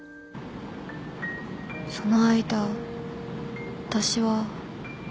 その間私は